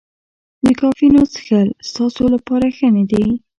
د کافینو څښل ستاسو لپاره ښه نه دي.